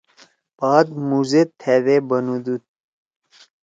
بات مُو زید تھأدے بنُودُود